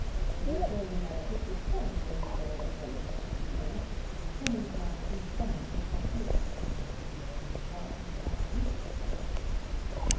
"The Colonel, I take it, can pay his way as well as most people. Anyhow, he's coming to stop here." "For any time?"